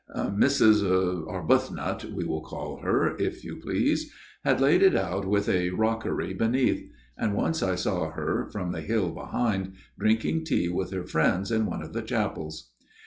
Mrs. er Arbuthnot we will call her, if you please had laid it out with a rockery beneath ; and once I saw her, from the hill behind, drinking tea with her friends in one of the chapels.